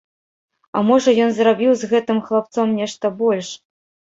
А можа, ён зрабіў з гэтым хлапцом нешта больш!